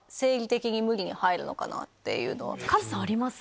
カズさんあります？